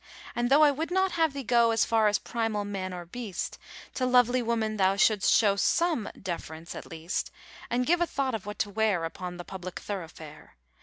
And tho' I would not have thee go As far as primal man or beast, To lovely woman thou should'st show Some deference at least, And give a thought of what to wear Upon the public thoroughfare.